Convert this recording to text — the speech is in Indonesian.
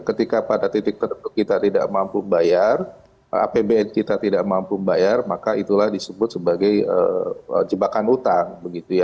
ketika pada titik tertentu kita tidak mampu membayar apbn kita tidak mampu membayar maka itulah disebut sebagai jebakan utang